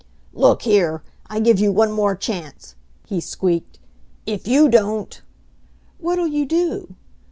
"Look here, I give you one more chance," he squeaked; "if you don't " "What'll you do?"